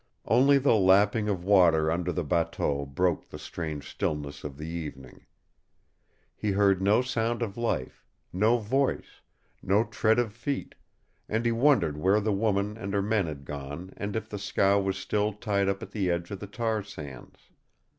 Only the lapping of water under the bateau broke the strange stillness of the evening. He heard no sound of life, no voice, no tread of feet, and he wondered where the woman and her men had gone and if the scow was still tied up at the edge of the tar sands.